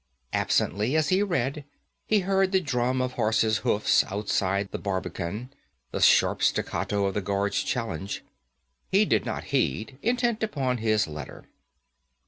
Absently, as he read, he heard the drum of horses' hoofs outside the barbican, the sharp staccato of the guards' challenge. He did not heed, intent upon his letter.